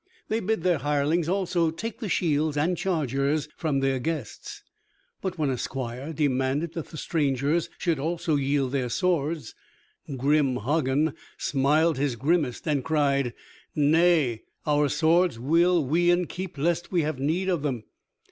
They bid their hirelings also take the shields and chargers from their guests. But when a squire demanded that the strangers should also yield their swords, grim Hagen smiled his grimmest, and cried, "Nay, our swords will we e'en keep lest we have need of them."